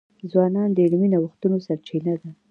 ځوانان د علمي نوښتونو سرچینه ده.